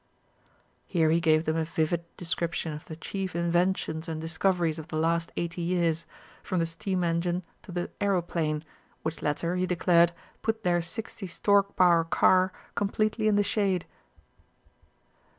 Here he gave them a vivid description of the chief inventions and discoveries of the last eighty years, from the steam engine to the aeroplane, which latter, he declared, put their sixty stork power car completely in the shade.